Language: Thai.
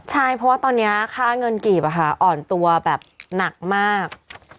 ใช่เพราะว่าตอนนี้ค่าเงินกีบอ่อนตัวแบบหนักมาก